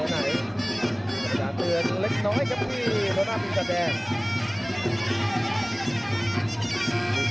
ขนาดเนี้ยในทางเรือนเล็กน้อยครับูอยู่หน้าเพียรสัตว์แดง